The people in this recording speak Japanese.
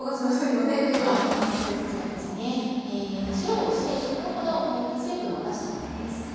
塩をして１０分ほどおいて水分を出したものです。